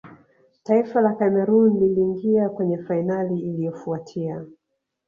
taifa la cameroon liliingia kwenye fainali iliyofuatia